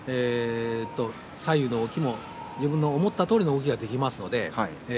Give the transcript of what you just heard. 左右の動きも思ったとおりの動きができます。